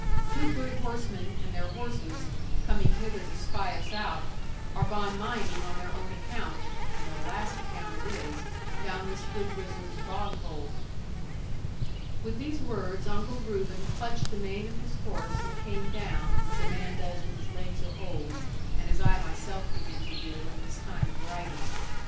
Two good horsemen, and their horses, coming hither to spy us out, are gone mining on their own account (and their last account it is) down this good wizard's bog hole.' With these words, Uncle Reuben clutched the mane of his horse and came down, as a man does when his legs are old; and as I myself begin to do, at this time of writing.